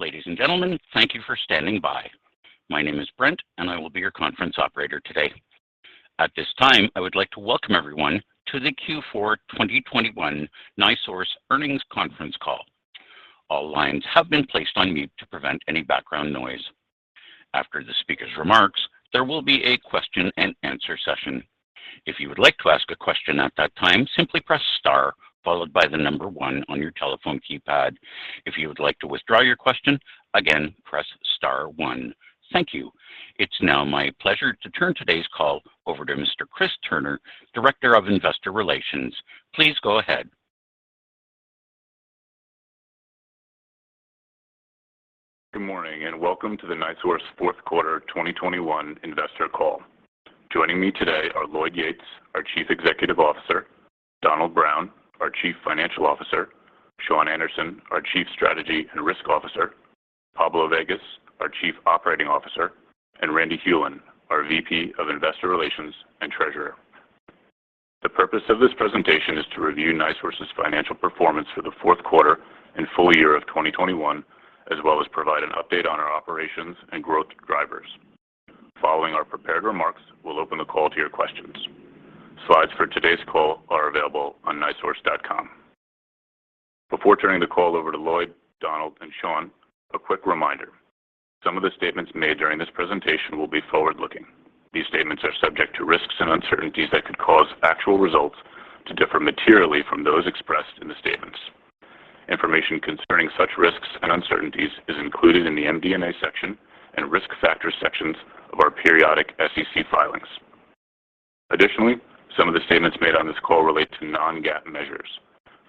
Ladies and gentlemen, thank you for standing by. My name is Brent, and I will be your conference operator today. At this time, I would like to welcome everyone to the Q4 2021 NiSource earnings conference call. All lines have been placed on mute to prevent any background noise. After the speaker's remarks, there will be a question-and-answer session. If you would like to ask a question at that time, simply press star followed by the number one on your telephone keypad. If you would like to withdraw your question, again, press star one. Thank you. It's now my pleasure to turn today's call over to Mr. Chris Turnure, Director of Investor Relations. Please go ahead. Good morning, and welcome to the NiSource fourth quarter 2021 investor call. Joining me today are Lloyd Yates, our Chief Executive Officer, Donald Brown, our Chief Financial Officer, Shawn Anderson, our Chief Strategy and Risk Officer, Pablo Vegas, our Chief Operating Officer, and Randy Hulen, our VP of Investor Relations and Treasurer. The purpose of this presentation is to review NiSource's financial performance for the fourth quarter and full year of 2021, as well as provide an update on our operations and growth drivers. Following our prepared remarks, we'll open the call to your questions. Slides for today's call are available on nisource.com. Before turning the call over to Lloyd, Donald, and Shawn, a quick reminder. Some of the statements made during this presentation will be forward-looking. These statements are subject to risks and uncertainties that could cause actual results to differ materially from those expressed in the statements. Information concerning such risks and uncertainties is included in the MD&A section and risk factors sections of our periodic SEC filings. Additionally, some of the statements made on this call relate to non-GAAP measures.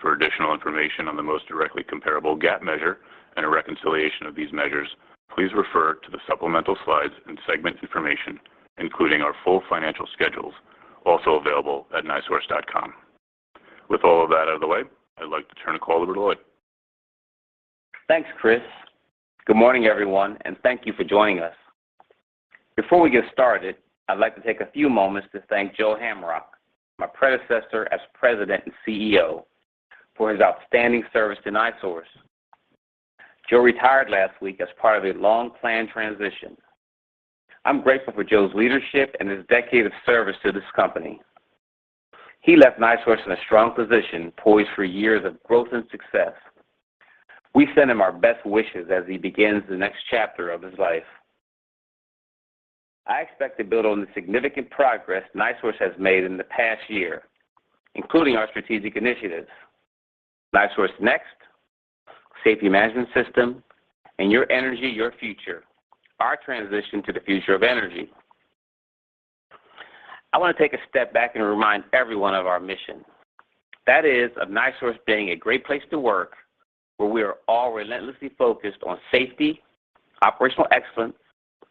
For additional information on the most directly comparable GAAP measure and a reconciliation of these measures, please refer to the supplemental slides and segment information, including our full financial schedules, also available at nisource.com. With all of that out of the way, I'd like to turn the call over to Lloyd. Thanks, Chris. Good morning, everyone, and thank you for joining us. Before we get started, I'd like to take a few moments to thank Joe Hamrock, my predecessor as President and CEO, for his outstanding service to NiSource. Joe retired last week as part of a long-planned transition. I'm grateful for Joe's leadership and his decade of service to this company. He left NiSource in a strong position, poised for years of growth and success. We send him our best wishes as he begins the next chapter of his life. I expect to build on the significant progress NiSource has made in the past year, including our strategic initiatives, NiSource Next, Safety Management System, and Your Energy, Your Future, our transition to the future of energy. I want to take a step back and remind everyone of our mission. That is of NiSource being a great place to work, where we are all relentlessly focused on safety, operational excellence,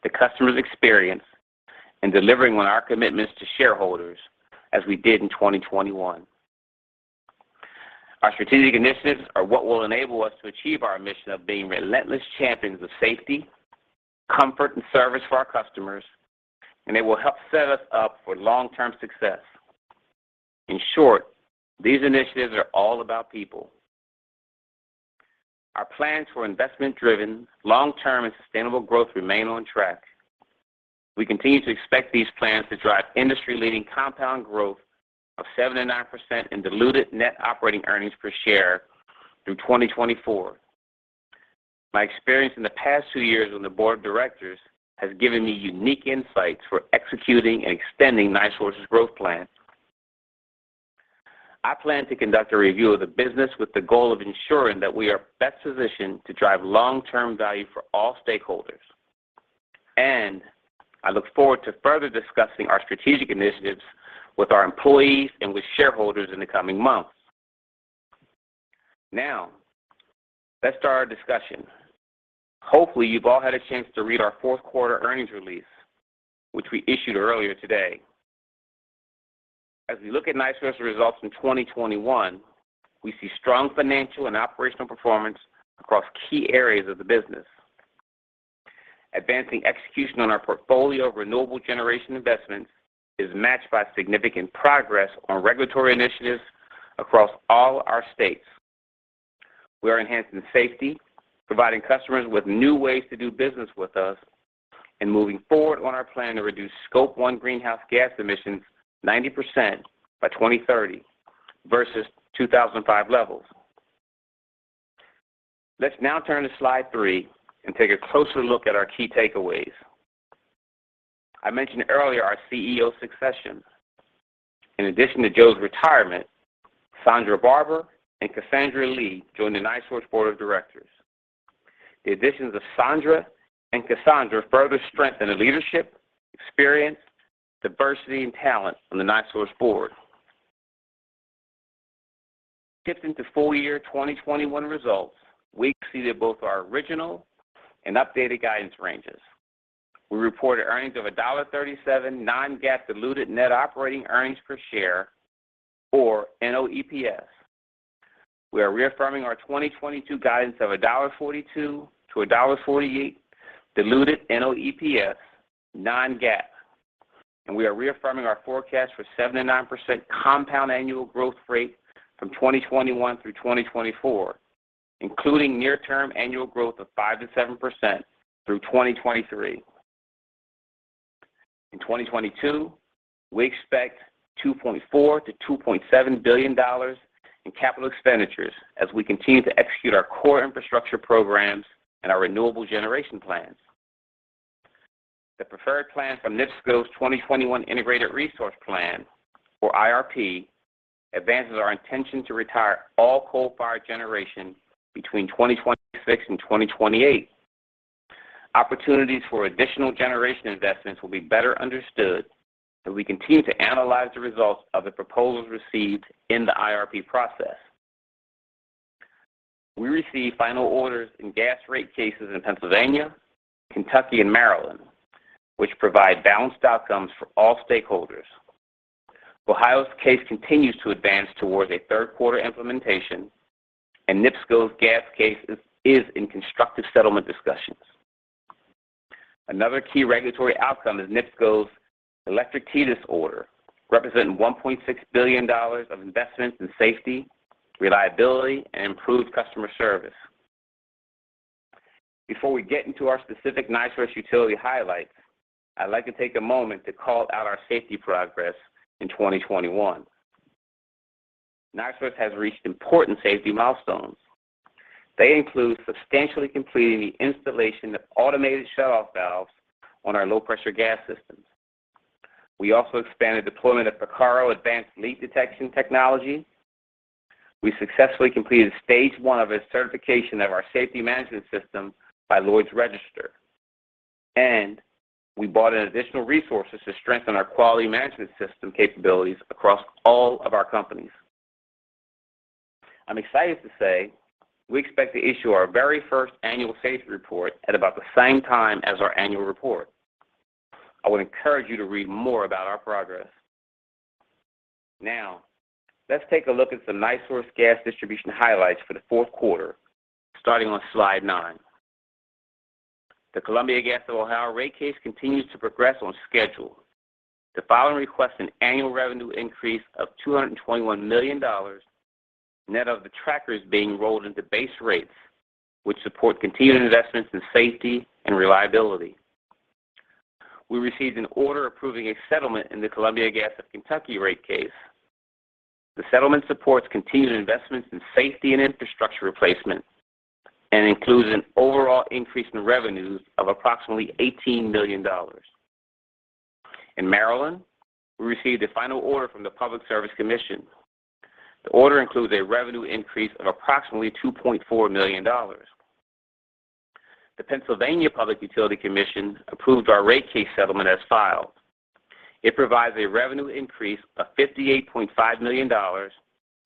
the customer's experience, and delivering on our commitments to shareholders as we did in 2021. Our strategic initiatives are what will enable us to achieve our mission of being relentless champions of safety, comfort, and service for our customers, and they will help set us up for long-term success. In short, these initiatives are all about people. Our plans for investment-driven, long-term, and sustainable growth remain on track. We continue to expect these plans to drive industry-leading compound growth of 7%-9% in diluted net operating earnings per share through 2024. My experience in the past two years on the board of directors has given me unique insights for executing and extending NiSource's growth plan. I plan to conduct a review of the business with the goal of ensuring that we are best positioned to drive long-term value for all stakeholders. I look forward to further discussing our strategic initiatives with our employees and with shareholders in the coming months. Now, let's start our discussion. Hopefully, you've all had a chance to read our fourth quarter earnings release, which we issued earlier today. As we look at NiSource's results in 2021, we see strong financial and operational performance across key areas of the business. Advancing execution on our portfolio of renewable generation investments is matched by significant progress on regulatory initiatives across all our states. We are enhancing safety, providing customers with new ways to do business with us, and moving forward on our plan to reduce scope one greenhouse gas emissions 90% by 2030 versus 2005 levels. Let's now turn to slide three and take a closer look at our key takeaways. I mentioned earlier our CEO succession. In addition to Joe's retirement, Sondra Barbour and Cassandra Lee joined the NiSource board of directors. The additions of Sandra and Cassandra further strengthen the leadership, experience, diversity, and talent on the NiSource board. Shifting to full year 2021 results, we exceeded both our original and updated guidance ranges. We reported earnings of $1.37 non-GAAP diluted net operating earnings per share, or NOEPS. We are reaffirming our 2022 guidance of $1.42-$1.48 diluted NOEPS non-GAAP. We are reaffirming our forecast for 7%-9% compound annual growth rate from 2021 through 2024, including near-term annual growth of 5%-7% through 2023. In 2022, we expect $2.4 billion-$2.7 billion in capital expenditures as we continue to execute our core infrastructure programs and our renewable generation plans. The preferred plan from NIPSCO's 2021 Integrated Resource Plan or IRP advances our intention to retire all coal-fired generation between 2026 and 2028. Opportunities for additional generation investments will be better understood as we continue to analyze the results of the proposals received in the IRP process. We received final orders in gas rate cases in Pennsylvania, Kentucky, and Maryland, which provide balanced outcomes for all stakeholders. Ohio's case continues to advance towards a third-quarter implementation, and NIPSCO's gas case is in constructive settlement discussions. Another key regulatory outcome is NIPSCO's Electric TDSIC order, representing $1.6 billion of investments in safety, reliability, and improved customer service. Before we get into our specific NiSource utility highlights, I'd like to take a moment to call out our safety progress in 2021. NiSource has reached important safety milestones. They include substantially completing the installation of automated shutoff valves on our low-pressure gas systems. We also expanded deployment of Picarro advanced leak detection technology. We successfully completed stage 1 of a certification of our Safety Management System by Lloyd's Register. We brought in additional resources to strengthen our quality management system capabilities across all of our companies. I'm excited to say we expect to issue our very first annual safety report at about the same time as our annual report. I would encourage you to read more about our progress. Now, let's take a look at some NiSource gas distribution highlights for the fourth quarter, starting on slide nine. The Columbia Gas of Ohio rate case continues to progress on schedule. The filing requests an annual revenue increase of $221 million net of the trackers being rolled into base rates, which support continued investments in safety and reliability. We received an order approving a settlement in the Columbia Gas of Kentucky rate case. The settlement supports continued investments in safety and infrastructure replacement and includes an overall increase in revenues of approximately $18 million. In Maryland, we received a final order from the Public Service Commission. The order includes a revenue increase of approximately $2.4 million. The Pennsylvania Public Utility Commission approved our rate case settlement as filed. It provides a revenue increase of $58.5 million,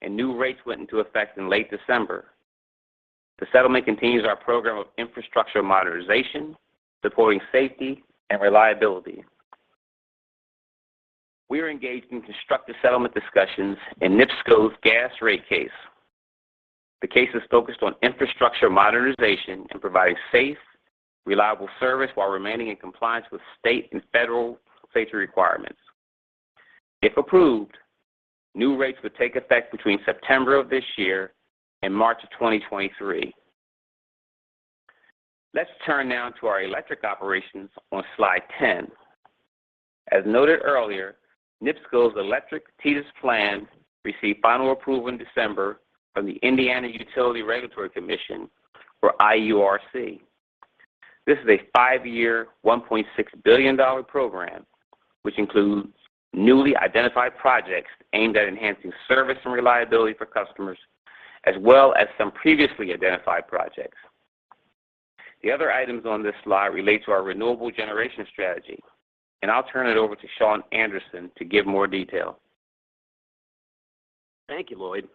and new rates went into effect in late December. The settlement continues our program of infrastructure modernization, supporting safety and reliability. We are engaged in constructive settlement discussions in NIPSCO's gas rate case. The case is focused on infrastructure modernization and providing safe, reliable service while remaining in compliance with state and federal safety requirements. If approved, new rates would take effect between September of this year and March of 2023. Let's turn now to our electric operations on slide 10. As noted earlier, NIPSCO's electric TDSIC plan received final approval in December from the Indiana Utility Regulatory Commission or IURC. This is a five-year, $1.6 billion program, which includes newly identified projects aimed at enhancing service and reliability for customers, as well as some previously identified projects. The other items on this slide relate to our renewable generation strategy. I'll turn it over to Shawn Anderson to give more detail. Thank you, Lloyd.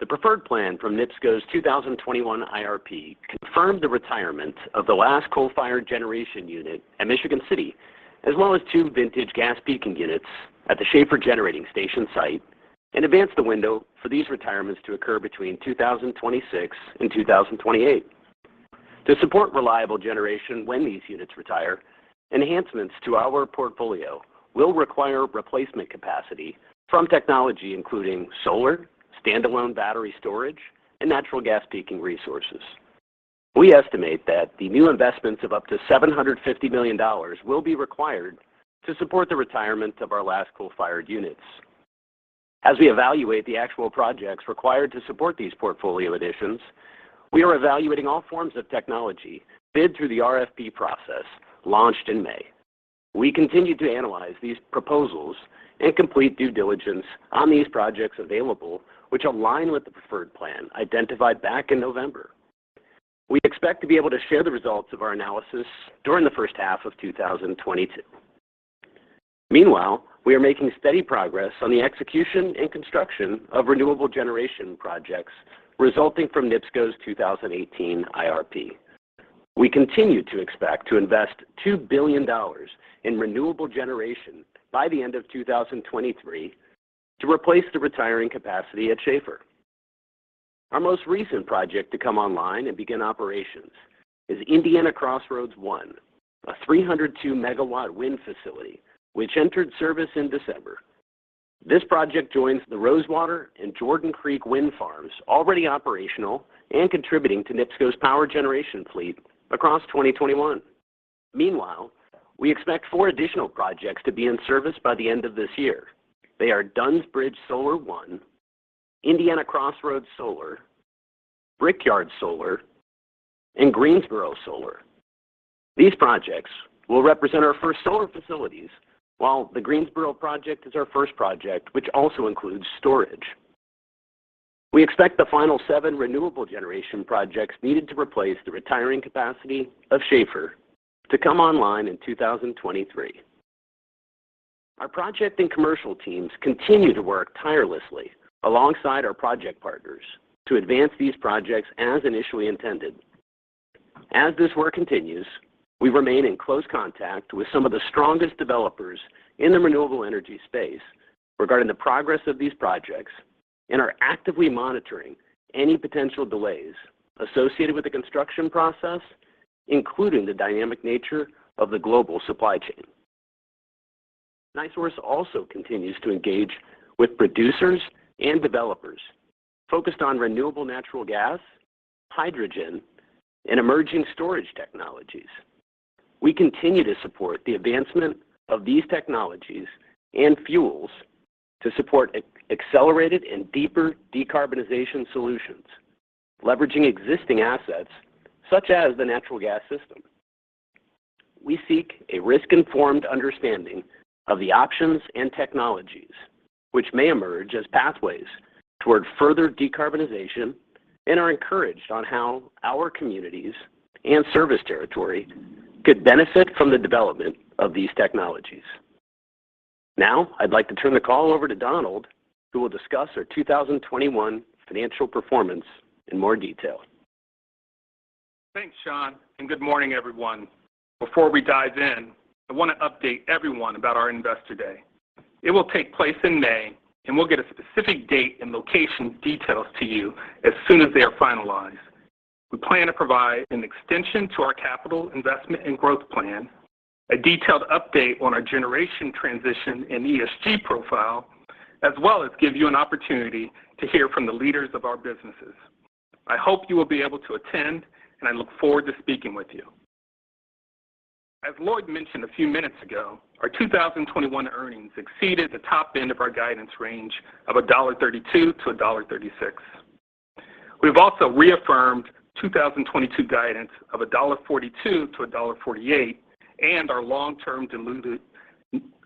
The preferred plan from NIPSCO's 2021 IRP confirmed the retirement of the last coal-fired generation unit at Michigan City, as well as two vintage gas peaking units at the Schahfer Generating Station site and advanced the window for these retirements to occur between 2026 and 2028. To support reliable generation when these units retire, enhancements to our portfolio will require replacement capacity from technology including solar, standalone battery storage, and natural gas peaking resources. We estimate that the new investments of up to $750 million will be required to support the retirement of our last coal-fired units. As we evaluate the actual projects required to support these portfolio additions, we are evaluating all forms of technology bid through the RFP process launched in May. We continue to analyze these proposals and complete due diligence on these projects available which align with the preferred plan identified back in November. We expect to be able to share the results of our analysis during the first half of 2022. Meanwhile, we are making steady progress on the execution and construction of renewable generation projects resulting from NIPSCO's 2018 IRP. We continue to expect to invest $2 billion in renewable generation by the end of 2023 to replace the retiring capacity at Schahfer. Our most recent project to come online and begin operations is Indiana Crossroads I, a 302-MW wind facility which entered service in December. This project joins the Rosewater and Jordan Creek Wind Farms already operational and contributing to NIPSCO's power generation fleet across 2021. Meanwhile, we expect four additional projects to be in service by the end of this year. They are Dunns Bridge Solar I, Indiana Crossroads Solar, Brickyard Solar, and Greensboro Solar. These projects will represent our first solar facilities, while the Greensboro project is our first project, which also includes storage. We expect the final seven renewable generation projects needed to replace the retiring capacity of Schahfer to come online in 2023. Our project and commercial teams continue to work tirelessly alongside our project partners to advance these projects as initially intended. As this work continues, we remain in close contact with some of the strongest developers in the renewable energy space regarding the progress of these projects and are actively monitoring any potential delays associated with the construction process, including the dynamic nature of the global supply chain. NiSource also continues to engage with producers and developers focused on renewable natural gas, hydrogen, and emerging storage technologies. We continue to support the advancement of these technologies and fuels to support accelerated and deeper decarbonization solutions, leveraging existing assets such as the natural gas system. We seek a risk-informed understanding of the options and technologies which may emerge as pathways toward further decarbonization and are encouraged on how our communities and service territory could benefit from the development of these technologies. Now, I'd like to turn the call over to Donald, who will discuss our 2021 financial performance in more detail. Thanks, Shawn, and good morning, everyone. Before we dive in, I want to update everyone about our Investor Day. It will take place in May, and we'll get a specific date and location details to you as soon as they are finalized. We plan to provide an extension to our capital investment and growth plan, a detailed update on our generation transition and ESG profile, as well as give you an opportunity to hear from the leaders of our businesses. I hope you will be able to attend, and I look forward to speaking with you. As Lloyd mentioned a few minutes ago, our 2021 earnings exceeded the top end of our guidance range of $1.32-$1.36. We've also reaffirmed 2022 guidance of $1.42-$1.48 and our long-term diluted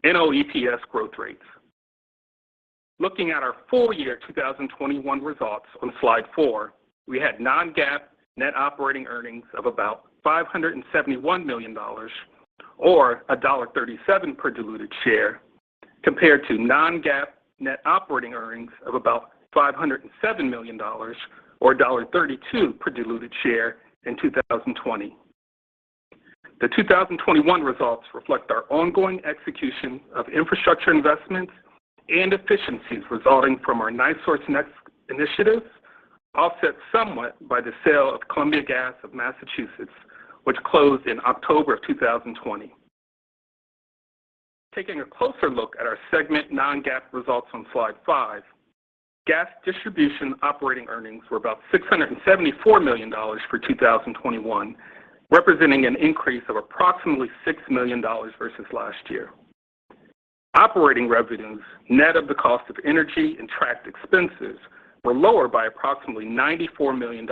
NOEPS growth rates. Looking at our full-year 2021 results on slide four, we had non-GAAP net operating earnings of about $571 million or $1.37 per diluted share, compared to non-GAAP net operating earnings of about $507 million or $1.32 per diluted share in 2020. The 2021 results reflect our ongoing execution of infrastructure investments and efficiencies resulting from our NiSource Next initiatives, offset somewhat by the sale of Columbia Gas of Massachusetts, which closed in October 2020. Taking a closer look at our segment non-GAAP results on slide five, Gas Distribution operating earnings were about $674 million for 2021, representing an increase of approximately $6 million versus last year. Operating revenues, net of the cost of energy and tracked expenses, were lower by approximately $94 million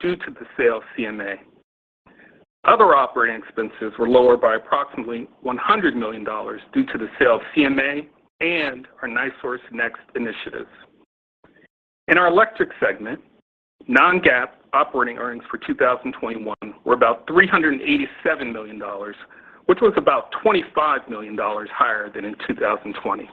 due to the sale of CMA. Other operating expenses were lower by approximately $100 million due to the sale of CMA and our NiSource Next initiatives. In our Electric segment, non-GAAP operating earnings for 2021 were about $387 million, which was about $25 million higher than in 2020.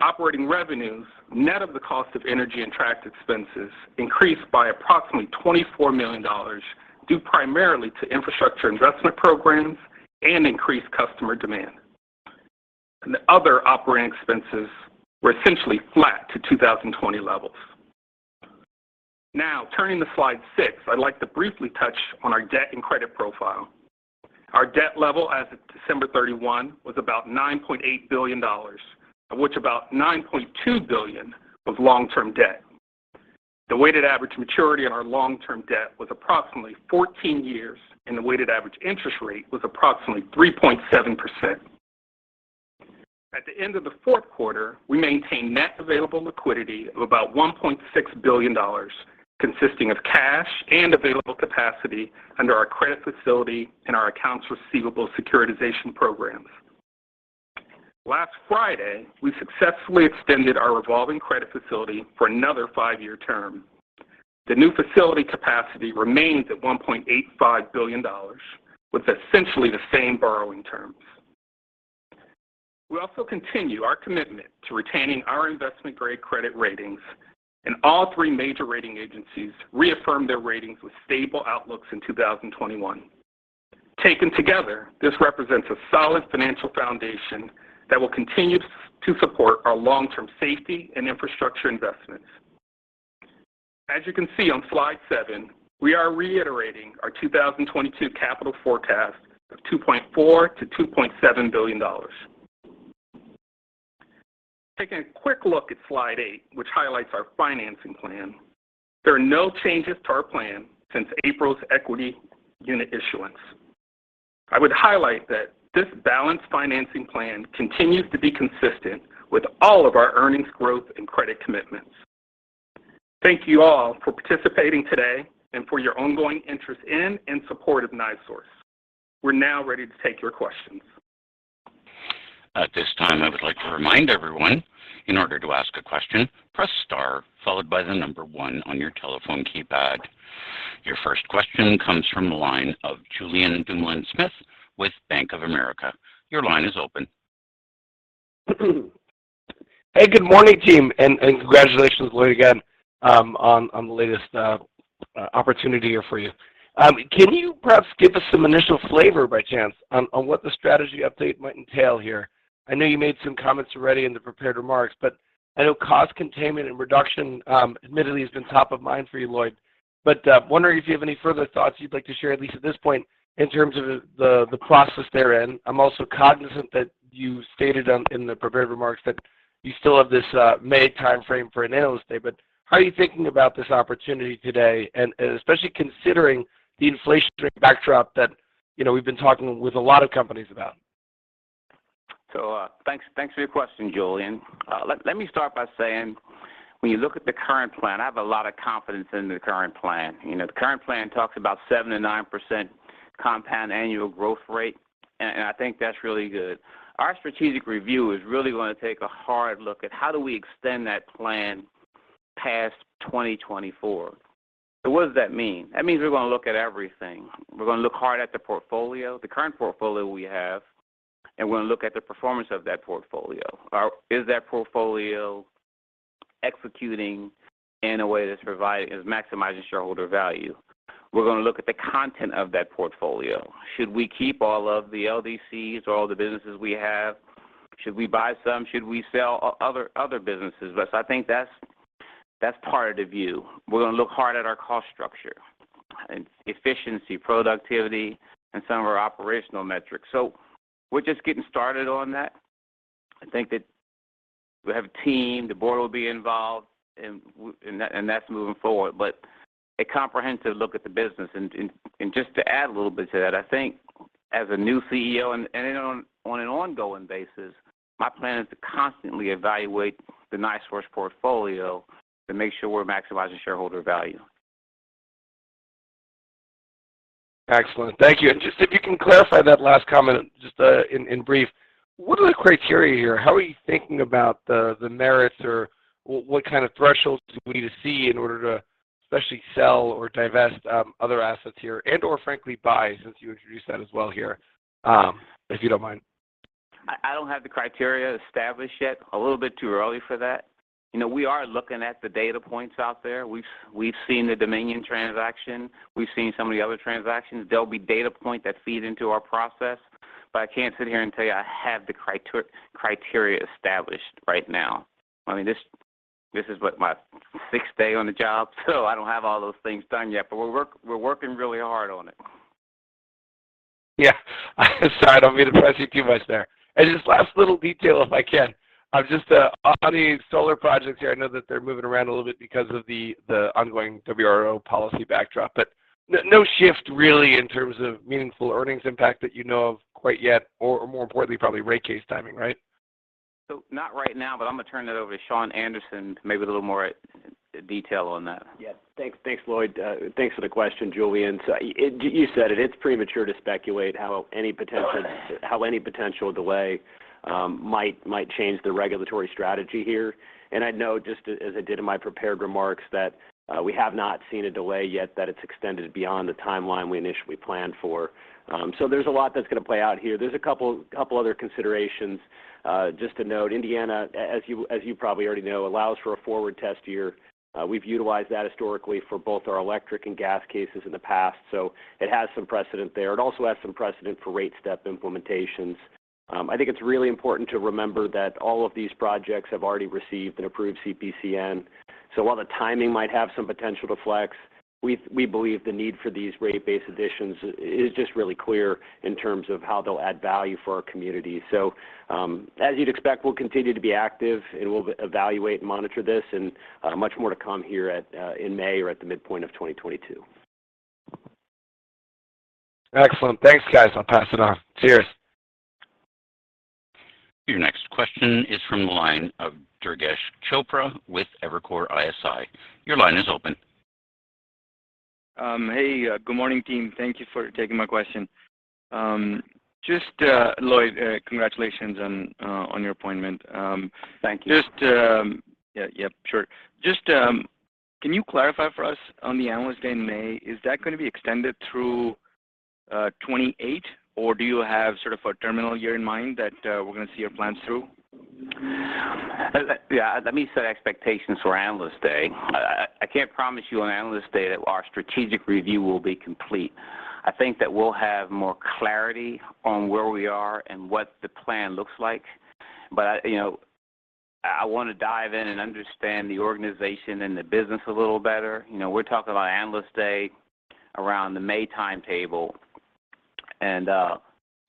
Operating revenues, net of the cost of energy and tracked expenses, increased by approximately $24 million due primarily to infrastructure investment programs and increased customer demand. The other operating expenses were essentially flat to 2020 levels. Now, turning to slide six, I'd like to briefly touch on our debt and credit profile. Our debt level as of December 31 was about $9.8 billion, of which about $9.2 billion was long-term debt. The weighted average maturity on our long-term debt was approximately 14 years, and the weighted average interest rate was approximately 3.7%. At the end of the fourth quarter, we maintained net available liquidity of about $1.6 billion, consisting of cash and available capacity under our credit facility and our accounts receivable securitization programs. Last Friday, we successfully extended our revolving credit facility for another five-year term. The new facility capacity remains at $1.85 billion with essentially the same borrowing terms. We also continue our commitment to retaining our investment-grade credit ratings, and all three major rating agencies reaffirmed their ratings with stable outlooks in 2021. Taken together, this represents a solid financial foundation that will continue to support our long-term safety and infrastructure investments. As you can see on slide seven, we are reiterating our 2022 capital forecast of $2.4 billion-$2.7 billion. Taking a quick look at slide eight, which highlights our financing plan, there are no changes to our plan since April's equity unit issuance. I would highlight that this balanced financing plan continues to be consistent with all of our earnings growth and credit commitments. Thank you all for participating today and for your ongoing interest in and support of NiSource. We're now ready to take your questions. At this time, I would like to remind everyone, in order to ask a question, press star followed by one on your telephone keypad. Your first question comes from the line of Julien Dumoulin-Smith with Bank of America. Your line is open. Hey, good morning, team, and congratulations, Lloyd, again, on the latest opportunity here for you. Can you perhaps give us some initial flavor by chance on what the strategy update might entail here? I know you made some comments already in the prepared remarks, but I know cost containment and reduction admittedly has been top of mind for you, Lloyd. Wondering if you have any further thoughts you'd like to share, at least at this point, in terms of the process therein. I'm also cognizant that you stated in the prepared remarks that you still have this May timeframe for an Analyst Day, but how are you thinking about this opportunity today, and especially considering the inflationary backdrop that you know we've been talking with a lot of companies about? Thanks for your question, Julien. Let me start by saying when you look at the current plan, I have a lot of confidence in the current plan. You know, the current plan talks about 7%-9% compound annual growth rate, and I think that's really good. Our strategic review is really gonna take a hard look at how do we extend that plan past 2024. What does that mean? That means we're gonna look at everything. We're gonna look hard at the portfolio, the current portfolio we have, and we're gonna look at the performance of that portfolio. Is that portfolio executing in a way that's maximizing shareholder value? We're gonna look at the content of that portfolio. Should we keep all of the LDCs or all the businesses we have? Should we buy some? Should we sell other businesses? Thus, I think that's part of the view. We're gonna look hard at our cost structure and efficiency, productivity, and some of our operational metrics. We're just getting started on that. I think that we have a team. The board will be involved and that's moving forward. A comprehensive look at the business and just to add a little bit to that, I think as a new CEO and on an ongoing basis, my plan is to constantly evaluate the NiSource portfolio to make sure we're maximizing shareholder value. Excellent. Thank you. Just if you can clarify that last comment just in brief, what are the criteria here? How are you thinking about the merits or what kind of thresholds do we need to see in order to especially sell or divest other assets here and/or frankly buy since you introduced that as well here, if you don't mind? I don't have the criteria established yet, a little bit too early for that. You know, we are looking at the data points out there. We've seen the Dominion transaction. We've seen some of the other transactions. There'll be data point that feed into our process, but I can't sit here and tell you I have the criteria established right now. I mean, this is, what, my sixth day on the job, so I don't have all those things done yet. We're working really hard on it. Yeah. Sorry, I don't mean to press you too much there. Just last little detail, if I can, just, on the solar projects here, I know that they're moving around a little bit because of the ongoing WRO policy backdrop. But no shift really in terms of meaningful earnings impact that you know of quite yet or more importantly probably rate case timing, right? Not right now, but I'm gonna turn that over to Shawn Anderson, maybe a little more detail on that. Yes. Thanks. Thanks, Lloyd. Thanks for the question, Julien. You said it. It's premature to speculate how any potential delay might change the regulatory strategy here. I'd note just as I did in my prepared remarks that we have not seen a delay yet that it's extended beyond the timeline we initially planned for. So there's a lot that's gonna play out here. There's a couple other considerations just to note. Indiana, as you probably already know, allows for a forward test year. We've utilized that historically for both our electric and gas cases in the past, so it has some precedent there. It also has some precedent for rate step implementations. I think it's really important to remember that all of these projects have already received an approved CPCN. While the timing might have some potential to flex, we believe the need for these rate-based additions is just really clear in terms of how they'll add value for our community. As you'd expect, we'll continue to be active, and we'll evaluate and monitor this and, much more to come here at, in May or at the midpoint of 2022. Excellent. Thanks, guys. I'll pass it on. Cheers. Your next question is from the line of Durgesh Chopra with Evercore ISI. Your line is open. Hey, good morning, team. Thank you for taking my question. Just, Lloyd, congratulations on your appointment. Thank you. Yeah. Yep, sure. Just, can you clarify for us on the Analyst Day in May, is that gonna be extended through 2028, or do you have sort of a terminal year in mind that we're gonna see your plans through? Yeah, let me set expectations for Analyst Day. I can't promise you on Analyst Day that our strategic review will be complete. I think that we'll have more clarity on where we are and what the plan looks like, but, you know, I wanna dive in and understand the organization and the business a little better. You know, we're talking about Analyst Day around the May timetable, and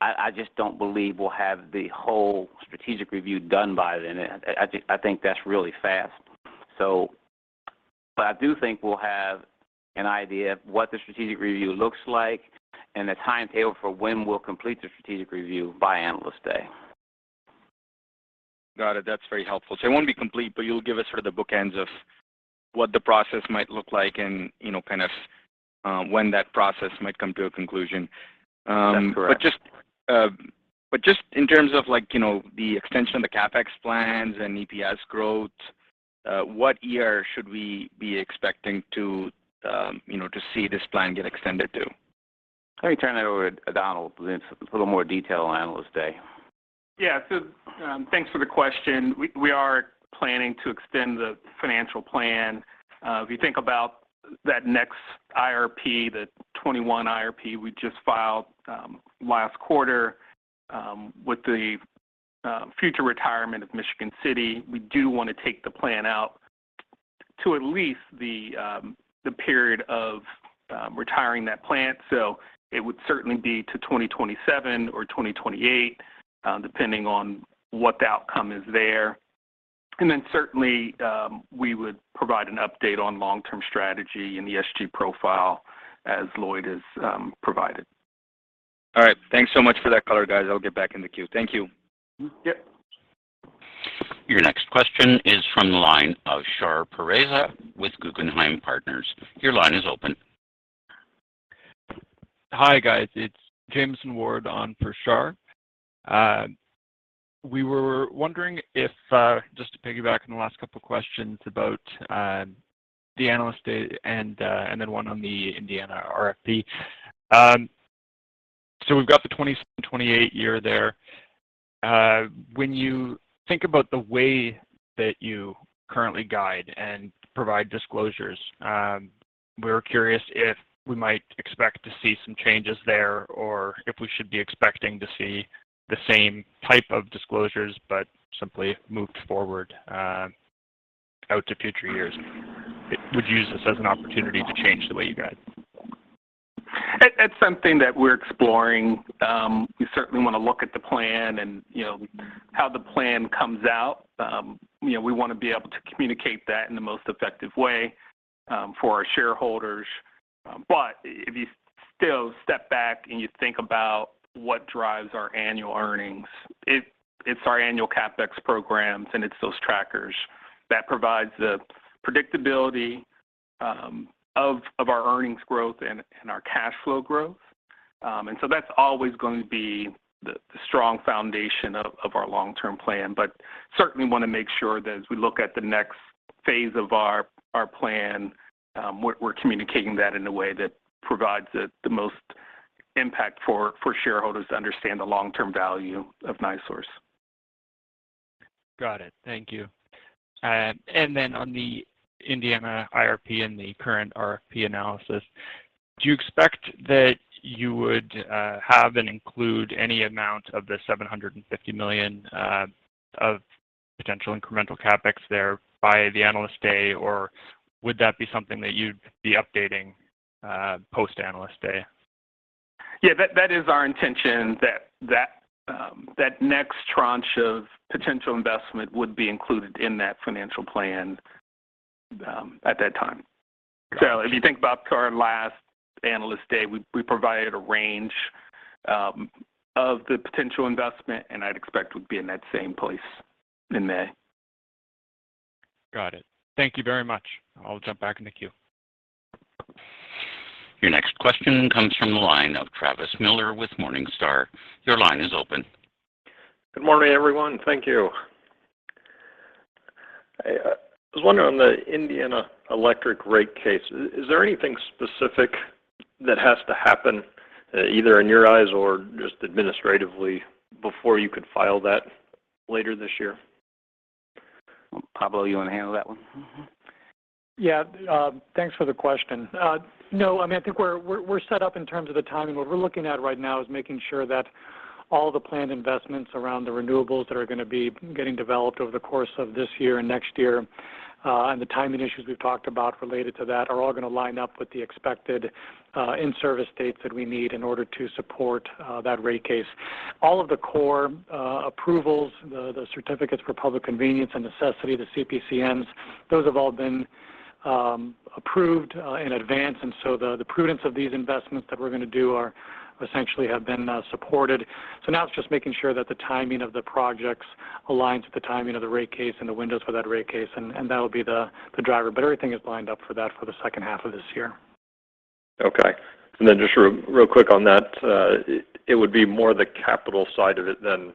I just don't believe we'll have the whole strategic review done by then. I just think that's really fast. But I do think we'll have an idea of what the strategic review looks like and the timetable for when we'll complete the strategic review by Analyst Day. Got it. That's very helpful. It won't be complete, but you'll give us sort of the bookends of what the process might look like and, you know, kind of, when that process might come to a conclusion. That's correct. Just in terms of like, you know, the extension of the CapEx plans and EPS growth, what year should we be expecting to, you know, to see this plan get extended to? Let me turn that over to Donald with a little more detail on Analyst Day. Yeah. Thanks for the question. We are planning to extend the financial plan. If you think about that next IRP, the 2021 IRP we just filed last quarter, with the future retirement of Michigan City, we do wanna take the plan out to at least the period of retiring that plant. It would certainly be to 2027 or 2028, depending on what the outcome is there. Certainly, we would provide an update on long-term strategy in the SG profile as Lloyd has provided. All right. Thanks so much for that color, guys. I'll get back in the queue. Thank you. Yep. Your next question is from the line of Shar Pourreza with Guggenheim Partners. Your line is open. Hi, guys. It's Jamieson Ward on for Shar. We were wondering if, just to piggyback on the last couple questions about the Analyst Day and then one on the Indiana RFP. So we've got the 2028 year there. When you think about the way that you currently guide and provide disclosures, we're curious if we might expect to see some changes there or if we should be expecting to see the same type of disclosures, but simply moved forward out to future years. Would you use this as an opportunity to change the way you guide? It's something that we're exploring. We certainly wanna look at the plan and, you know, how the plan comes out. You know, we wanna be able to communicate that in the most effective way for our shareholders. If you still step back and you think about what drives our annual earnings, it's our annual CapEx programs and it's those trackers that provides the predictability of our earnings growth and our cash flow growth. That's always going to be the strong foundation of our long-term plan. Certainly wanna make sure that as we look at the next phase of our plan, we're communicating that in a way that provides the most impact for shareholders to understand the long-term value of NiSource. Got it. Thank you. On the Indiana IRP and the current RFP analysis, do you expect that you would have and include any amount of the $750 million of potential incremental CapEx there by the Analyst Day, or would that be something that you'd be updating post Analyst Day? Yeah, that is our intention that next tranche of potential investment would be included in that financial plan at that time. If you think about our last Analyst Day, we provided a range of the potential investment, and I'd expect we'd be in that same place in May. Got it. Thank you very much. I'll jump back in the queue. Your next question comes from the line of Travis Miller with Morningstar. Your line is open. Good morning, everyone. Thank you. I was wondering on the Indiana Electric rate case, is there anything specific that has to happen, either in your eyes or just administratively before you could file that later this year? Pablo, you wanna handle that one? Yeah, thanks for the question. No, I mean, I think we're set up in terms of the timing. What we're looking at right now is making sure that all the planned investments around the renewables that are gonna be getting developed over the course of this year and next year, and the timing issues we've talked about related to that are all gonna line up with the expected in-service dates that we need in order to support that rate case. All of the core approvals, the Certificates of Public Convenience and Necessity, the CPCNs, those have all been approved in advance. The prudence of these investments that we're gonna do are essentially have been supported. Now it's just making sure that the timing of the projects aligns with the timing of the rate case and the windows for that rate case, and that'll be the driver. Everything is lined up for that for the second half of this year. Okay. Just real quick on that. It would be more the capital side of it than,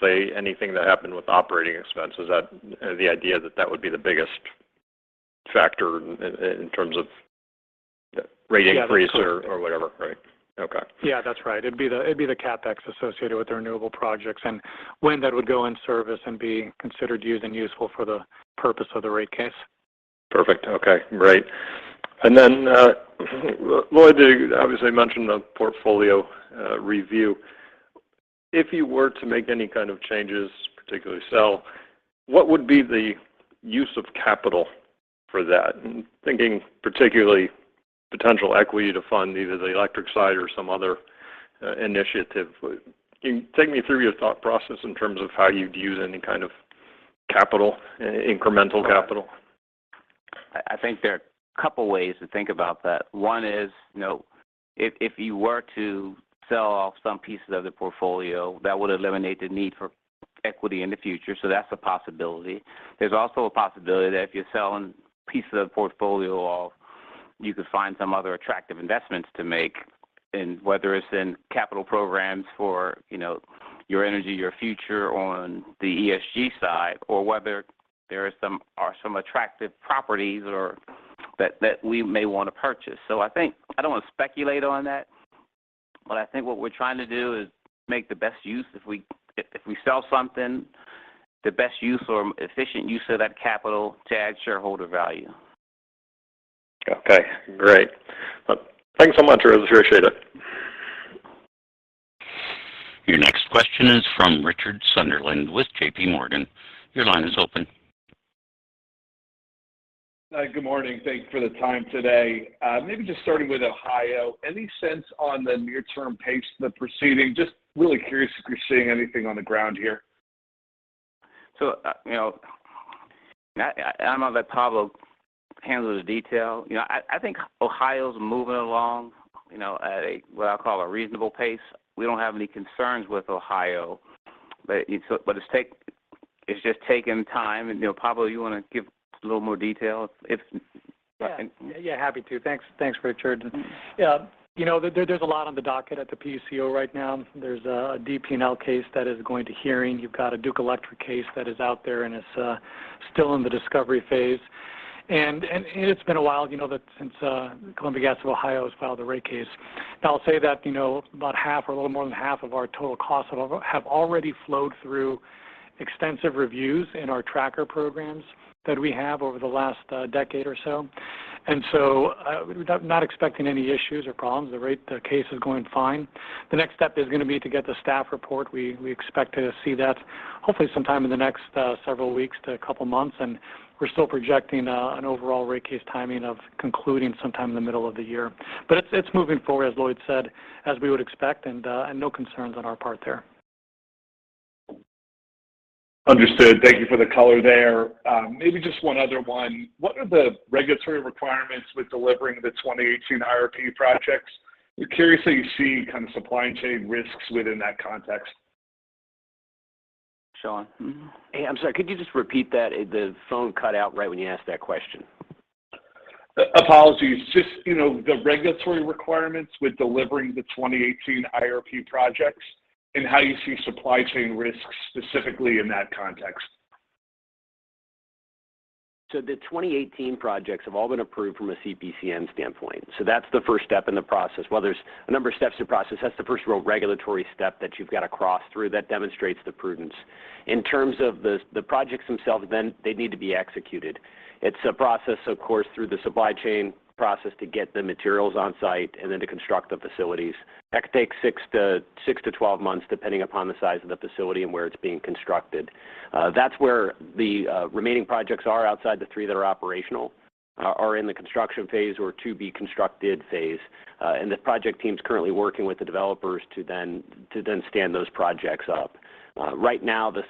say, anything that happened with operating expenses. Is that the idea that that would be the biggest factor in terms of rate increase or whatever, right? Okay. Yeah, that's right. It'd be the CapEx associated with the renewable projects and when that would go in service and be considered used and useful for the purpose of the rate case. Perfect. Okay. Great. Lloyd, you obviously mentioned the portfolio review. If you were to make any kind of changes, particularly sell, what would be the use of capital for that? Thinking particularly potential equity to fund either the electric side or some other initiative. Can you take me through your thought process in terms of how you'd use any kind of capital, incremental capital? I think there are a couple ways to think about that. One is, you know, if you were to sell off some pieces of the portfolio, that would eliminate the need for equity in the future, so that's a possibility. There's also a possibility that if you're selling pieces of portfolio off, you could find some other attractive investments to make, and whether it's in capital programs for, you know, Your Energy, Your Future on the ESG side, or whether there are some attractive properties or that we may want to purchase. I think I don't want to speculate on that, but I think what we're trying to do is make the best use if we sell something, the best use or efficient use of that capital to add shareholder value. Okay. Great. Thanks so much, guys. Appreciate it. Your next question is from Richard Sunderland with JPMorgan. Your line is open. Good morning. Thanks for the time today. Maybe just starting with Ohio, any sense on the near-term pace of the proceeding? Just really curious if you're seeing anything on the ground here. You know, I don't know if that Pablo handles the detail. You know, I think Ohio's moving along, you know, at a what I call a reasonable pace. We don't have any concerns with Ohio, but it's just taking time and, you know, Pablo, you want to give a little more detail? Yeah, happy to. Thanks, Richard. Yeah. You know, there's a lot on the docket at the PUCO right now. There's a DP&L case that is going to hearing. You've got a Duke electric case that is out there, and it's still in the discovery phase. It's been a while, you know, since Columbia Gas of Ohio has filed a rate case. Now, I'll say that, you know, about half or a little more than half of our total costs have already flowed through extensive reviews in our tracker programs that we have over the last decade or so. We're not expecting any issues or problems. The case is going fine. The next step is gonna be to get the staff report. We expect to see that hopefully sometime in the next several weeks to a couple of months. We're still projecting an overall rate case timing of concluding sometime in the middle of the year. It's moving forward, as Lloyd said, as we would expect, and no concerns on our part there. Understood. Thank you for the color there. Maybe just one other one. What are the regulatory requirements with delivering the 2018 IRP projects? We're curious how you see kind of supply chain risks within that context. Shawn? Hey, I'm sorry. Could you just repeat that? The phone cut out right when you asked that question. Apologies. Just, you know, the regulatory requirements with delivering the 2018 IRP projects and how you see supply chain risks specifically in that context? The 2018 projects have all been approved from a CPCN standpoint. That's the first step in the process. Well, there's a number of steps to the process. That's the first real regulatory step that you've got to cross through that demonstrates the prudence. In terms of the projects themselves, then they need to be executed. It's a process, of course, through the supply chain process to get the materials on site and then to construct the facilities. That takes six to 12 months, depending upon the size of the facility and where it's being constructed. That's where the remaining projects outside the three that are operational are in the construction phase or to be constructed phase. The project team is currently working with the developers to then stand those projects up. Right now, the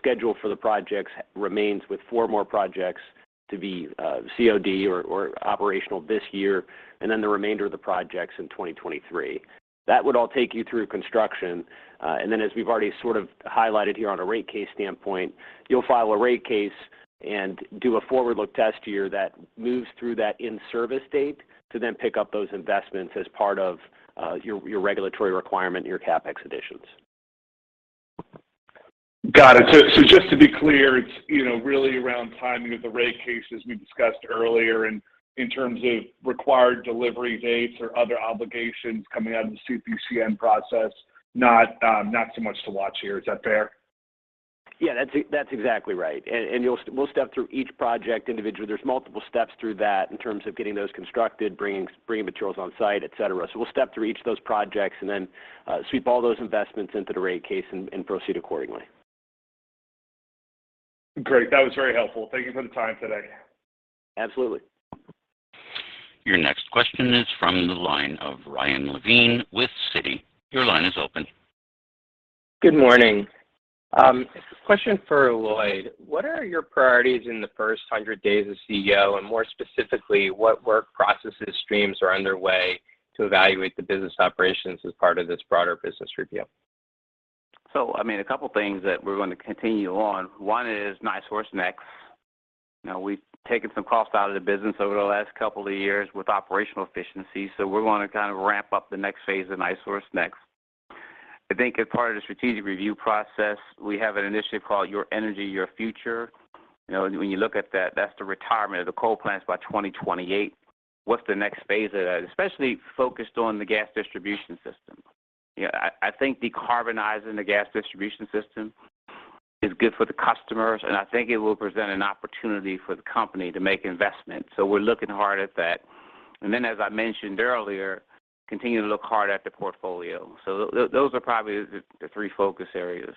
schedule for the projects remains with four more projects to be COD or operational this year, and then the remainder of the projects in 2023. That would all take you through construction. As we've already sort of highlighted here on a rate case standpoint, you'll file a rate case and do a forward-look test year that moves through that in-service date to then pick up those investments as part of your regulatory requirement and your CapEx additions. Got it. Just to be clear, it's, you know, really around timing of the rate cases we discussed earlier and in terms of required delivery dates or other obligations coming out of the CPCN process, not so much to watch here. Is that fair? Yeah. That's exactly right. We'll step through each project individually. There's multiple steps through that in terms of getting those constructed, bringing materials on site, et cetera. We'll step through each of those projects and then sweep all those investments into the rate case and proceed accordingly. Great. That was very helpful. Thank you for the time today. Absolutely. Your next question is from the line of Ryan Levine with Citi. Your line is open. Good morning. Question for Lloyd. What are your priorities in the first 100 days as CEO, and more specifically, what work processes, streams are underway to evaluate the business operations as part of this broader business review? I mean, a couple of things that we're going to continue on. One is NiSource Next. You know, we've taken some costs out of the business over the last couple of years with operational efficiency. We want to kind of ramp up the next phase of NiSource Next. I think as part of the strategic review process, we have an initiative called Your Energy, Your Future. You know, when you look at that's the retirement of the coal plants by 2028. What's the next phase of that, especially focused on the gas distribution system? Yeah, I think decarbonizing the gas distribution system is good for the customers, and I think it will present an opportunity for the company to make investments. We're looking hard at that. As I mentioned earlier, continue to look hard at the portfolio. Those are probably the three focus areas.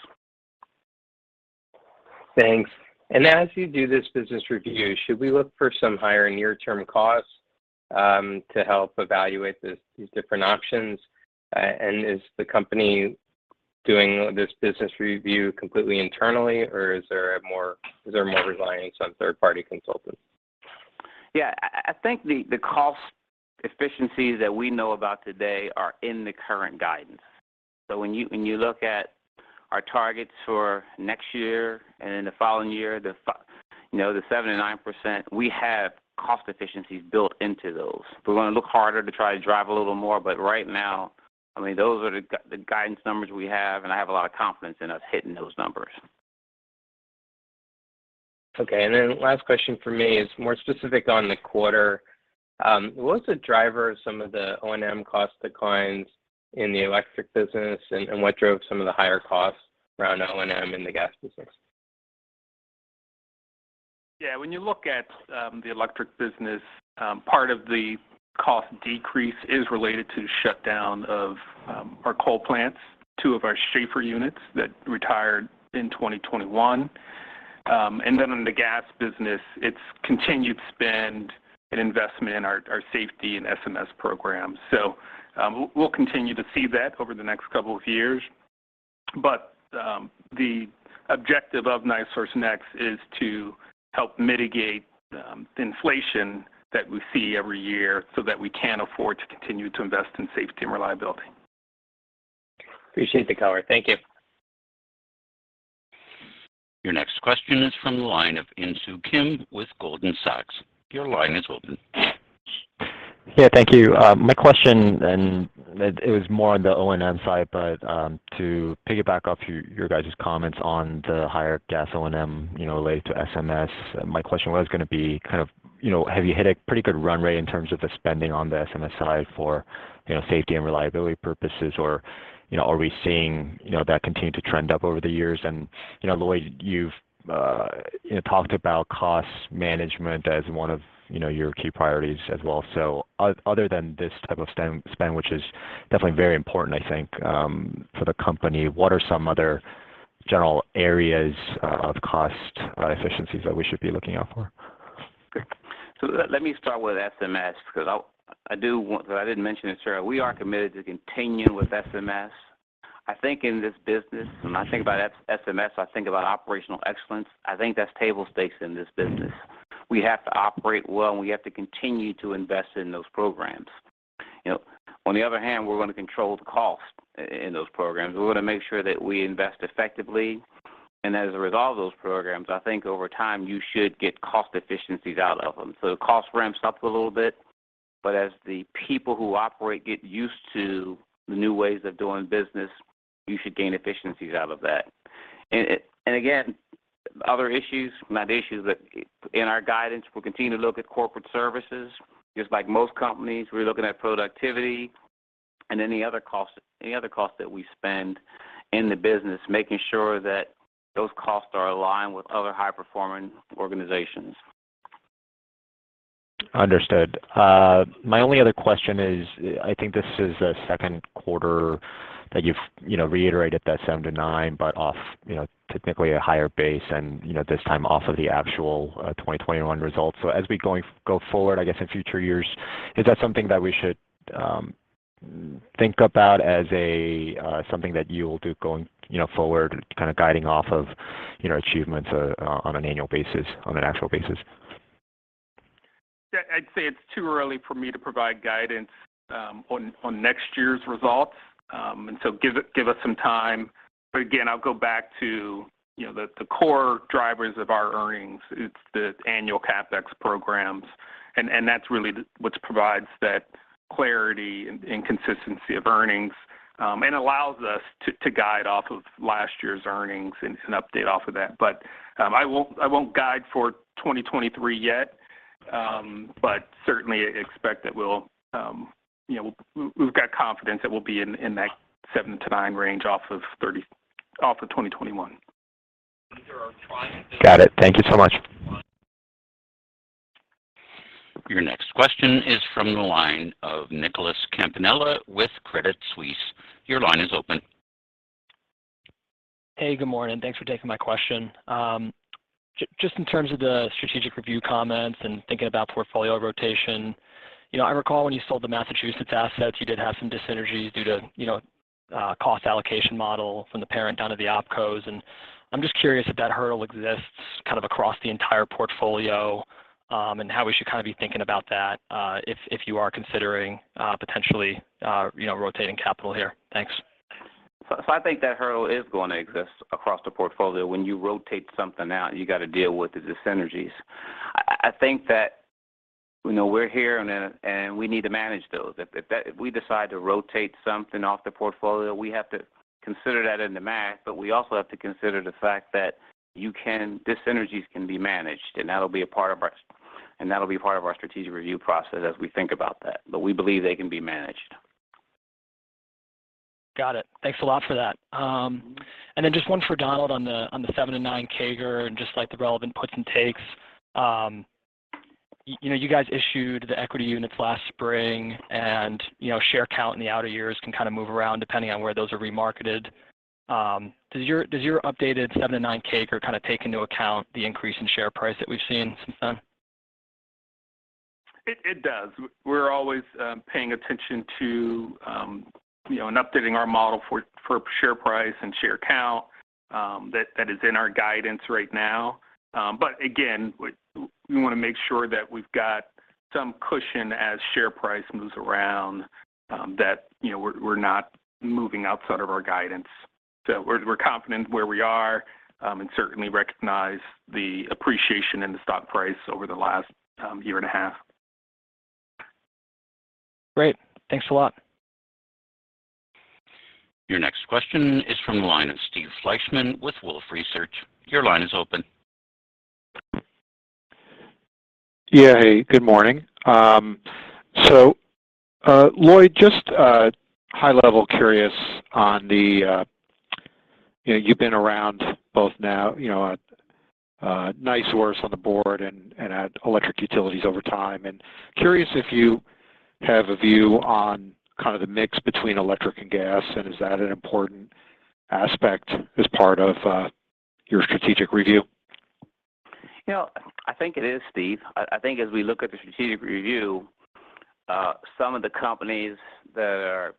Thanks. As you do this business review, should we look for some higher near-term costs to help evaluate these different options? Is the company doing this business review completely internally or is there more reliance on third-party consultants? Yeah. I think the cost efficiencies that we know about today are in the current guidance. When you look at our targets for next year and the following year, you know, the 7%-9%, we have cost efficiencies built into those. We're gonna look harder to try to drive a little more, but right now, I mean, those are the guidance numbers we have, and I have a lot of confidence in us hitting those numbers. Okay. Last question from me is more specific on the quarter. What was the driver of some of the O&M cost declines in the electric business, and what drove some of the higher costs around O&M in the gas business? Yeah. When you look at the electric business, part of the cost decrease is related to the shutdown of our coal plants, two of our Schahfer units that retired in 2021. In the gas business, it's continued spend and investment in our safety and SMS programs. We'll continue to see that over the next couple of years. The objective of NiSource Next is to help mitigate the inflation that we see every year so that we can afford to continue to invest in safety and reliability. Appreciate the color. Thank you. Your next question is from the line of Insoo Kim with Goldman Sachs. Your line is open. Yeah, thank you. My question, and it was more on the O&M side, but to piggyback off your guys' comments on the higher gas O&M, you know, related to SMS, my question was gonna be kind of, you know, have you hit a pretty good runway in terms of the spending on the SMS side for, you know, safety and reliability purposes? You know, are we seeing, you know, that continue to trend up over the years? You know, Lloyd, you've, you know, talked about cost management as one of, you know, your key priorities as well. Other than this type of spend which is definitely very important, I think, for the company, what are some other general areas of cost efficiencies that we should be looking out for? Let me start with SMS because I do want, though I didn't mention it, sure, we are committed to continuing with SMS. I think in this business, when I think about SMS, I think about operational excellence. I think that's table stakes in this business. We have to operate well, and we have to continue to invest in those programs. You know, on the other hand, we're going to control the cost in those programs. We want to make sure that we invest effectively. As a result of those programs, I think over time, you should get cost efficiencies out of them. Cost ramps up a little bit, but as the people who operate get used to the new ways of doing business, you should gain efficiencies out of that. Again, other issues, not issues, but in our guidance, we'll continue to look at corporate services. Just like most companies, we're looking at productivity and any other cost that we spend in the business, making sure that those costs are aligned with other high-performing organizations. Understood. My only other question is, I think this is the second quarter that you've, you know, reiterated that 7%-9%, but off, you know, typically a higher base and, you know, this time off of the actual, 2021 results. As we go forward, I guess, in future years, is that something that we should think about as a something that you will do going, you know, forward, kind of guiding off of, you know, achievements on an annual basis, on an actual basis? Yeah. I'd say it's too early for me to provide guidance on next year's results. Give us some time. Again, I'll go back to, you know, the core drivers of our earnings. It's the annual CapEx programs, and that's really what provides that clarity and consistency of earnings, and allows us to guide off of last year's earnings and update off of that. I won't guide for 2023 yet, but certainly expect that we'll, you know, we've got confidence that we'll be in that 7%-9% range off of 2021. Got it. Thank you so much. Your next question is from the line of Nick Campanella with Credit Suisse. Your line is open. Hey, good morning. Thanks for taking my question. Just in terms of the strategic review comments and thinking about portfolio rotation, you know, I recall when you sold the Massachusetts assets, you did have some dis-synergies due to, you know, cost allocation model from the parent down to the opcos. I'm just curious if that hurdle exists kind of across the entire portfolio, and how we should kind of be thinking about that, if you are considering potentially, you know, rotating capital here? Thanks. I think that hurdle is going to exist across the portfolio. When you rotate something out, you got to deal with the dissynergies. I think that. You know, we're here and we need to manage those. If we decide to rotate something off the portfolio, we have to consider that in the math, but we also have to consider the fact that dis-synergies can be managed, and that'll be part of our strategic review process as we think about that. We believe they can be managed. Got it. Thanks a lot for that. Just one for Donald on the 7%-9% CAGR and just, like, the relevant puts and takes. You know, you guys issued the equity units last spring, and, you know, share count in the outer years can kind of move around depending on where those are remarketed. Does your updated 7%-9% CAGR kind of take into account the increase in share price that we've seen since then? It does. We're always paying attention to, you know, and updating our model for share price and share count that is in our guidance right now. But again, we wanna make sure that we've got some cushion as share price moves around, that you know, we're not moving outside of our guidance. We're confident where we are, and certainly recognize the appreciation in the stock price over the last year and a half. Great. Thanks a lot. Your next question is from the line of Steve Fleishman with Wolfe Research. Your line is open. Yeah. Hey, good morning. So, Lloyd, just high level curious on the, you know, you've been around both now, you know, NiSource on the board and at electric utilities over time, and curious if you have a view on kind of the mix between electric and gas, and is that an important aspect as part of your strategic review? You know, I think it is, Steve. I think as we look at the strategic review, some of the companies that are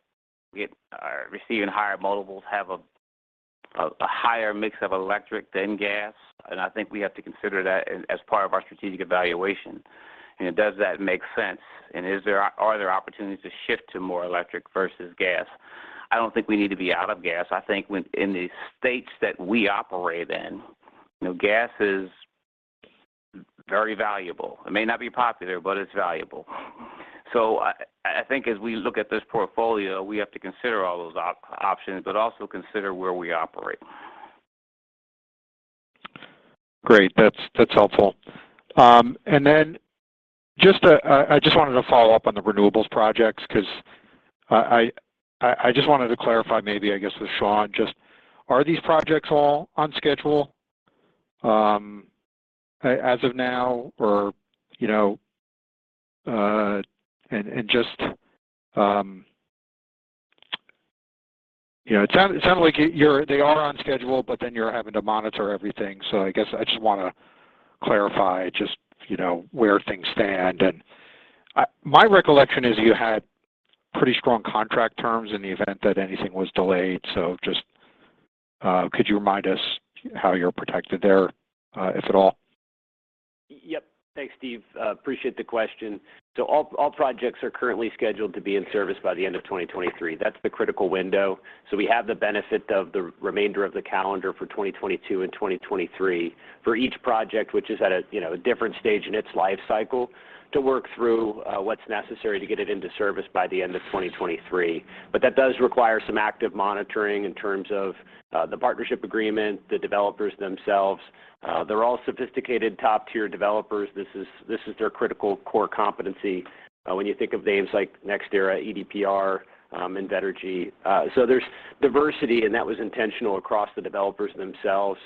receiving higher multiples have a higher mix of electric than gas. I think we have to consider that as part of our strategic evaluation. Does that make sense? Are there opportunities to shift to more electric versus gas? I don't think we need to be out of gas. I think in the states that we operate in, you know, gas is very valuable. It may not be popular, but it's valuable. I think as we look at this portfolio, we have to consider all those options, but also consider where we operate. Great. That's helpful. I just wanted to follow up on the renewables projects 'cause I just wanted to clarify maybe, I guess, with Shawn just are these projects all on schedule, as of now? Or, you know, and just, you know, it sounded like they are on schedule, but then you're having to monitor everything. I guess I just wanna clarify just, you know, where things stand. My recollection is you had pretty strong contract terms in the event that anything was delayed. Could you remind us how you're protected there, if at all? Yep. Thanks, Steve. Appreciate the question. All projects are currently scheduled to be in service by the end of 2023. That's the critical window. We have the benefit of the remainder of the calendar for 2022 and 2023 for each project, which is at a, you know, a different stage in its life cycle, to work through what's necessary to get it into service by the end of 2023. That does require some active monitoring in terms of the partnership agreement, the developers themselves. They're all sophisticated top-tier developers. This is their critical core competency when you think of names like NextEra, EDPR, Invenergy. There's diversity, and that was intentional across the developers themselves,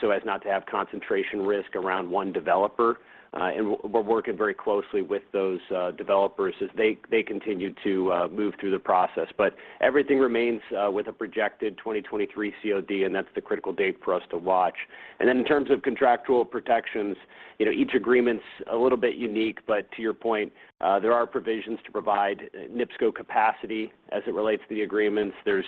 so as not to have concentration risk around one developer. We're working very closely with those developers as they continue to move through the process. Everything remains with a projected 2023 COD, and that's the critical date for us to watch. Then in terms of contractual protections, you know, each agreement's a little bit unique, but to your point, there are provisions to provide NIPSCO capacity as it relates to the agreements. There's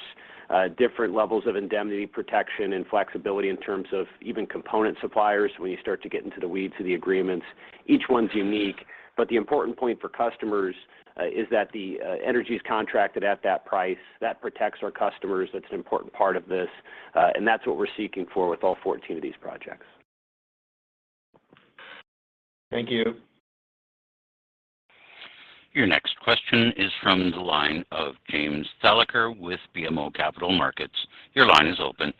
different levels of indemnity protection and flexibility in terms of even component suppliers when you start to get into the weeds of the agreements. Each one's unique, but the important point for customers is that the energy is contracted at that price. That protects our customers. That's an important part of this, and that's what we're seeking for with all 14 of these projects. Thank you. Your next question is from the line of James Thalacker with BMO Capital Markets. Your line is open.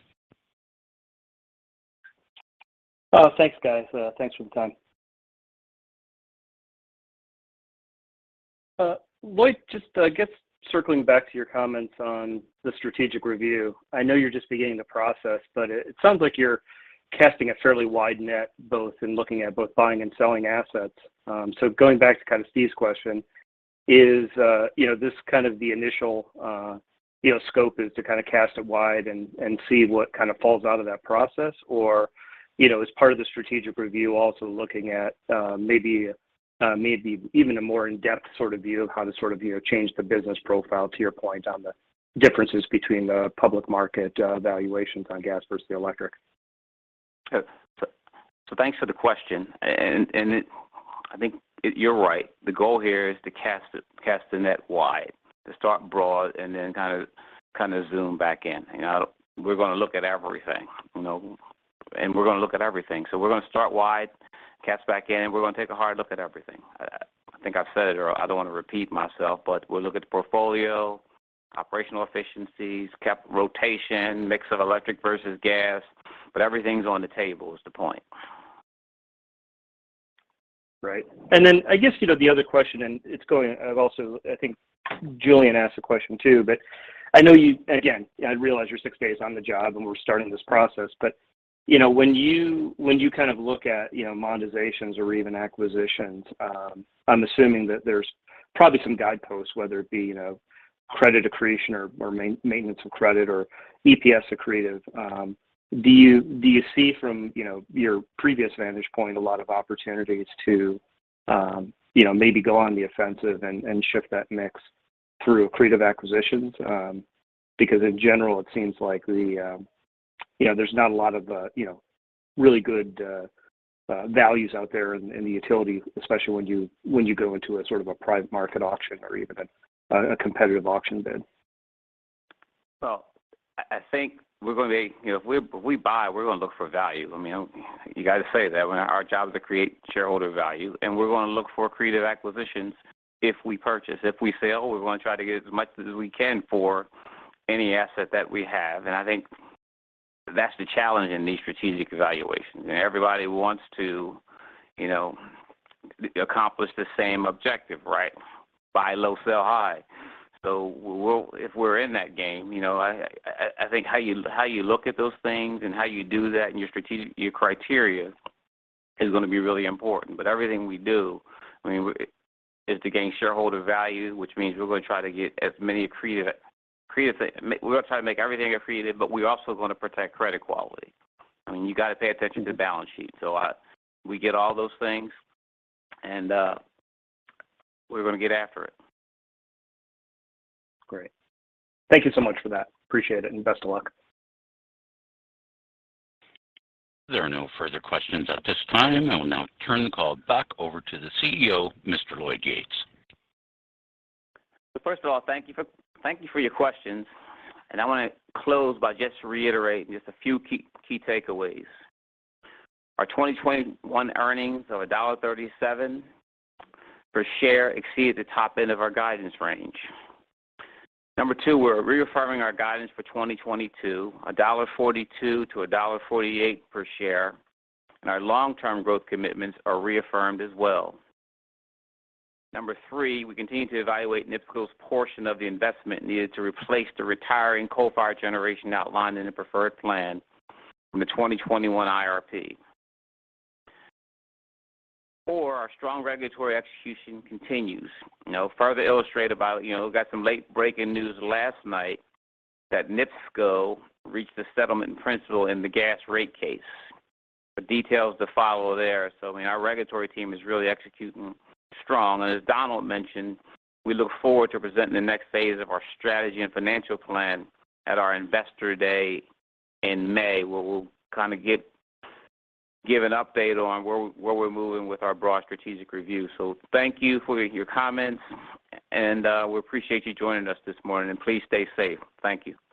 Oh, thanks, guys. Thanks for the time. Lloyd, just, I guess circling back to your comments on the strategic review. I know you're just beginning the process, but it sounds like you're casting a fairly wide net both in looking at both buying and selling assets. So going back to kind of Steve's question, is, you know, this kind of the initial, you know, scope is to kind of cast it wide and see what kind of falls out of that process? Or, you know, as part of the strategic review, also looking at, maybe even a more in-depth sort of view of how to sort of, you know, change the business profile to your point on the differences between the public market, valuations on gas versus the electric? Thanks for the question. I think you're right. The goal here is to cast the net wide, to start broad and then kind of zoom back in. You know, we're gonna look at everything, you know. We're gonna start wide, cast back in, and we're gonna take a hard look at everything. I think I've said it, or I don't want to repeat myself, but we'll look at the portfolio, operational efficiencies, cap rotation, mix of electric versus gas, but everything's on the table, is the point. Right. I guess, you know, the other question, I think Julian asked a question, too. I know, again, I realize you're six days on the job, and we're starting this process. You know, when you kind of look at, you know, monetizations or even acquisitions, I'm assuming that there's probably some guideposts, whether it be, you know, credit accretion or maintenance of credit or EPS accretive. Do you see from, you know, your previous vantage point a lot of opportunities to, you know, maybe go on the offensive and shift that mix through accretive acquisitions? Because in general, it seems like you know, there's not a lot of you know, really good values out there in the utility, especially when you go into a sort of a private market auction or even a competitive auction bid. Well, I think you know, if we buy, we're gonna look for value. I mean, you got to say that. When our job is to create shareholder value, and we're gonna look for accretive acquisitions if we purchase. If we sell, we're gonna try to get as much as we can for any asset that we have. I think that's the challenge in these strategic evaluations. Everybody wants to, you know, accomplish the same objective, right? Buy low, sell high. If we're in that game, you know, I think how you look at those things and how you do that and your criteria is gonna be really important. Everything we do, I mean, is to gain shareholder value, which means we're gonna try to make everything accretive, but we also want to protect credit quality. I mean, you got to pay attention to balance sheet. We get all those things and we're gonna get after it. Great. Thank you so much for that. Appreciate it, and best of luck. There are no further questions at this time. I will now turn the call back over to the CEO, Mr. Lloyd Yates. First of all, thank you for your questions. I want to close by just reiterating just a few key takeaways. Our 2021 earnings of $1.37 per share exceeded the top end of our guidance range. Number two, we're reaffirming our guidance for 2022, $1.42-$1.48 per share, and our long-term growth commitments are reaffirmed as well. Number three, we continue to evaluate NIPSCO's portion of the investment needed to replace the retiring coal-fired generation outlined in the preferred plan from the 2021 IRP. Four, our strong regulatory execution continues. You know, further illustrated by, you know, got some late-breaking news last night that NIPSCO reached a settlement in principle in the gas rate case. The details to follow there. I mean, our regulatory team is really executing strong. As Donald mentioned, we look forward to presenting the next phase of our strategy and financial plan at our Investor Day in May, where we'll kind of give an update on where we're moving with our broad strategic review. Thank you for your comments, and we appreciate you joining us this morning, and please stay safe. Thank you.